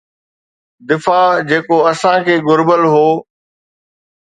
دفاع جيڪو اسان کي گهربل هو.